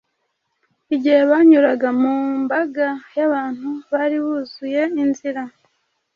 Igihe banyuraga mu mbaga y’abantu bari buzuye inzira,